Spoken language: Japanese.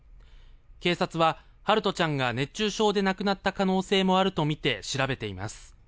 警察は陽翔ちゃんが熱中症で亡くなった可能性もあるとみて調べています。